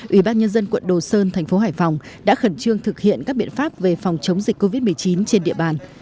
ủy ban nhân dân quận đồ sơn thành phố hải phòng đã khẩn trương thực hiện các biện pháp về phòng chống dịch covid một mươi chín trên địa bàn